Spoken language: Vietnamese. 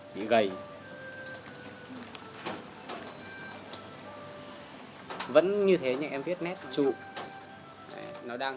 vẫn như thế nhưng em viết nét trụ